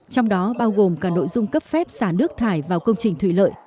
trong đó bao gồm cả nội dung cấp phép xả nước thải vào công trình thủy lợi